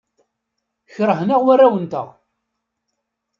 Keṛhen-aɣ warraw-nteɣ.